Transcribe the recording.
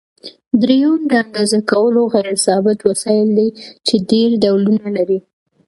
دریم د اندازه کولو غیر ثابت وسایل دي چې ډېر ډولونه لري.